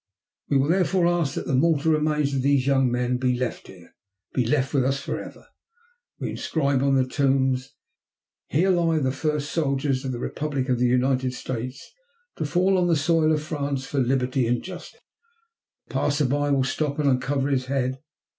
"We will, therefore, ask that the mortal remains of these young men be left here, be left with us forever. We inscribe on the tombs: 'Here lie the first soldiers of the Republic of the United States to fall on the soil of France for liberty and justice.' The passer by will stop and uncover his head.